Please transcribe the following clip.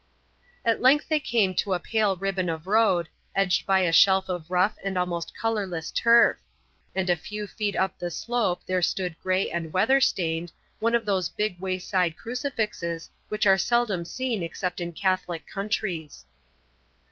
At length they came to a pale ribbon of road, edged by a shelf of rough and almost colourless turf; and a few feet up the slope there stood grey and weather stained, one of those big wayside crucifixes which are seldom seen except in Catholic countries.